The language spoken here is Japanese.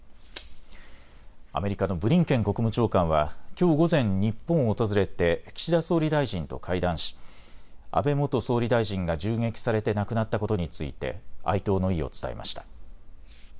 アメリカのブリンケン国務長官はきょう午前、日本を訪れて岸田総理大臣と会談し安倍元総理大臣が銃撃されて亡くなったことについて哀悼の意を伝えました。